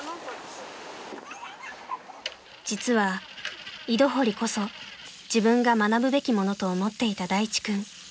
［実は井戸掘りこそ自分が学ぶべきものと思っていた大地君］